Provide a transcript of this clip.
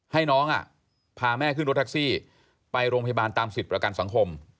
ให้น้องพาแม่ขึ้นรถแท็กซี่ไปโรงพยาบาลตามสิทธิ์ประกันสังคม